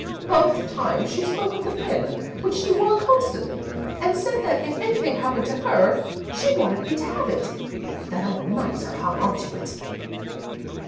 Both times she spoke of the pin, which she wore constantly, and said that if anything happened to her, she wanted me to have it, but that old miser hung on to it."